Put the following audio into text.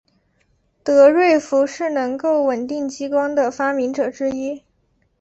德瑞福是能够稳定激光的的发明者之一。